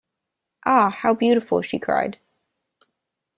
“Ah, how beautiful!” she cried.